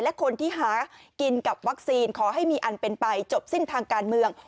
และคนที่หากินกับวัคซีนขอให้มีอันเป็นไปจบสิ้นทางการเมือง